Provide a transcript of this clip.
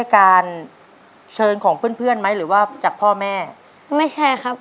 ไปรู้จักลงเรียนนี้อยู่แล้วครับ